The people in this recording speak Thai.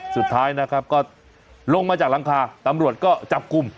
สุดท้ายนะครับก็ลงมาจากหลังคาตำรวจก็จับกลุ่ม